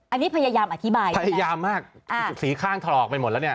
อันนี้พยายามอธิบายพยายามมากอ่าสีข้างถลอกไปหมดแล้วเนี่ย